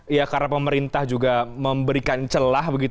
ya karena pemerintah juga memberikan celah